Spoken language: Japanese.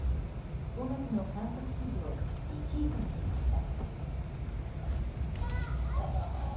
５月の観測史上１位となりました。